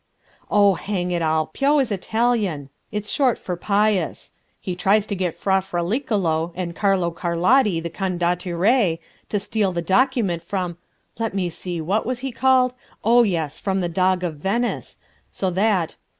"Oh, hang it all, Pio is Italian, it's short for Pius. He tries to get Fra Fraliccolo and Carlo Carlotti the Condottiere to steal the document from ... let me see; what was he called?...Oh, yes ... from the Dog of Venice, so that